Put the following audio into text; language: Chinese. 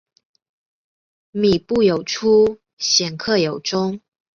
靡不有初鲜克有终